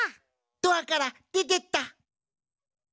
ドアからでてった！